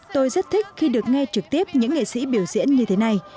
tôi rất thích khi được nghe trực tiếp những nghệ sĩ biểu diễn như thế này